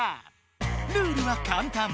ルールはかんたん。